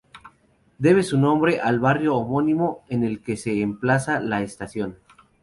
Debe su nombre al barrio homónimo, en el que se emplaza la estación.